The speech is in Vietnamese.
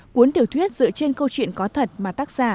cuốn tiểu thuyết dựa trên câu chuyện có thật mà tác giả